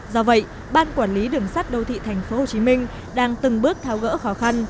do vậy ban quản lý đường sắt đô thị thành phố hồ chí minh đang từng bước tháo gỡ khó khăn